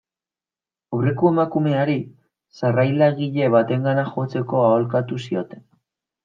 Aurreko emakumeari, sarrailagile batengana jotzeko aholkatu zioten.